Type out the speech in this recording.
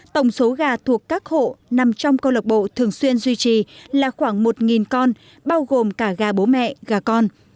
tổng số gà thuộc các hộ nằm trong câu lạc bộ thường xuyên duy trì là khoảng một con bao gồm cả gà bố mẹ gà con